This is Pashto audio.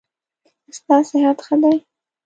ستا صحت ښه دی؟